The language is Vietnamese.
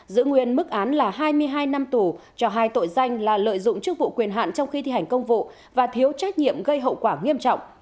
giữ nguyên mức án là hai mươi hai năm tù cho hai tội danh là lợi dụng chức vụ quyền hạn trong khi thi hành công vụ và thiếu trách nhiệm gây hậu quả nghiêm trọng